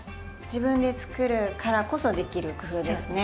自分で作るからこそできる工夫ですね。